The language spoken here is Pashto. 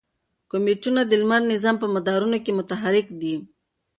کومیټونه د لمریز نظام په مدارونو کې متحرک دي.